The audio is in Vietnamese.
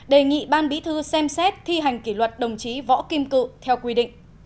đề nghị ban bí thư xem xét thi hành kỷ luật đồng chí võ kim cự theo quy định